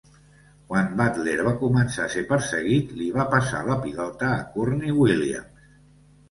Quan Butler va començar a ser perseguit, li va passar la pilota a Courtney Williams.